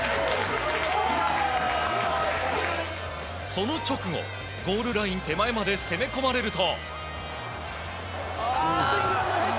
その直後、ゴールライン手前まで攻め込まれると。